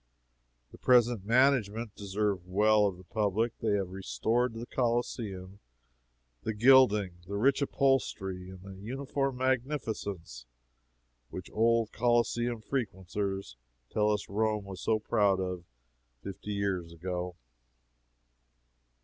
The present management deserve well of the public. They have restored to the Coliseum the gilding, the rich upholstery and the uniform magnificence which old Coliseum frequenters tell us Rome was so proud of fifty years ago.